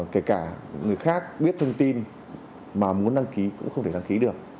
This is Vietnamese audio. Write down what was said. kể cả người khác biết thông tin mà muốn đăng ký cũng không thể đăng ký được